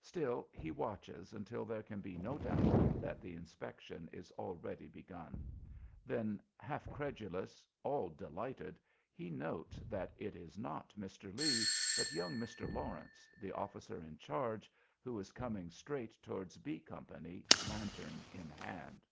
Still he watches until there can be no doubt that the inspection is already begun. Then, half credulous, all delighted, he notes that it is not Mr. Lee, but young Mr. Lawrence, the officer in charge, who is coming straight towards "B" Company, lantern in hand.